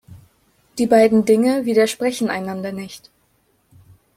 Die beiden Dinge widersprechen einander nicht.